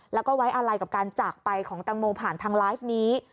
แล้วก็ไว้อะไรกับการจากไปของตังโมผ่านทางไลฟ์นี้